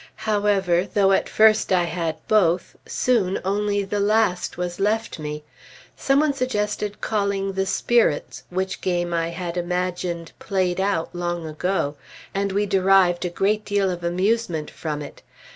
However, though at first I had both, soon only the last was left me. Some one suggested calling the Spirits, which game I had imagined "played out" long ago; and we derived a great deal of amusement from it.